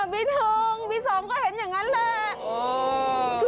อ๋อบีหนึ่งบีสองก็เห็นอย่างนั้นแหละ